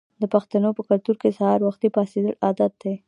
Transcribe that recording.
د پښتنو په کلتور کې سهار وختي پاڅیدل عادت دی.